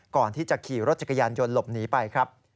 ก่อนที่จะขี่รถจักรยานยนต์หลบหนีไปครับ